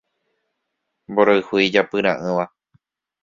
Mborayhu ijapyra'ỹva